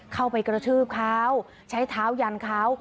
เข้าไปกระทืบเขาใช้เท้ายันเขา